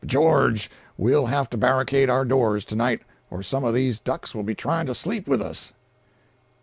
B' George, we'll have to barricade our doors to night, or some of these ducks will be trying to sleep with us."